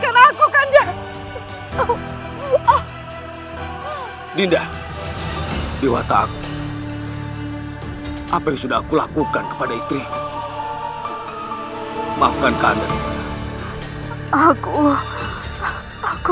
oleh itu tidak akan bapak pernah kebutuhkan berat dipada anggota kami